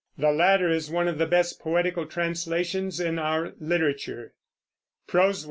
The latter is one of the best poetical translations in our literature.